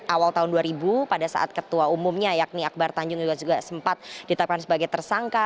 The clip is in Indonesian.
awal tahun dua ribu pada saat ketua umumnya yakni akbar tanjung juga sempat ditetapkan sebagai tersangka